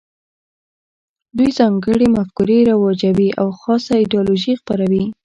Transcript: دوی ځانګړې مفکورې رواجوي او خاصه ایدیالوژي خپروي